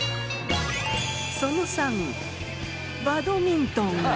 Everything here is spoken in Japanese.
その３バドミントン。